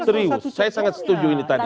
serius saya sangat setuju ini tadi